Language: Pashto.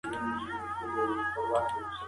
هغه د ډېرو کلونو راهیسې په میډیا کې دی.